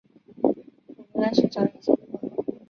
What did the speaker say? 我们要去找以前的朋友